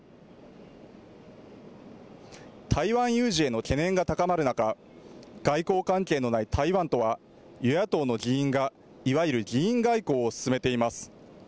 台湾有事への懸念が高まる中、外交関係のない台湾とは与野党の議員がいわゆる議員外交を進めています。